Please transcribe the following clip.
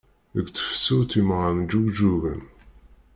Deg tefsut imɣan ǧǧuǧugen.